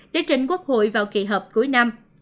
để trình quốc hội vào kỷ hợp cuối năm